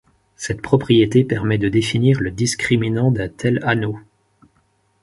Cette propriété permet de définir le discriminant d'un tel anneau.